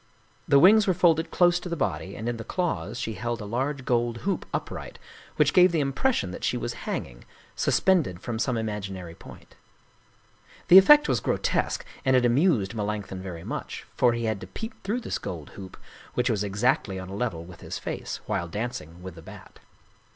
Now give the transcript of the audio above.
The wings were folded close to the body, and in the claws she held a large gold hoop upright, which gave the impres sion that she was hanging, suspended from some imaginary point. The effect was grotesque, and it amused Melanch thon very much, for he had to peep through this gold hoop, which was exactly on a level with his face, while dancing with the Bat.